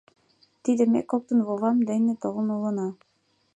Тиде ме коктын вовам дене толын улына.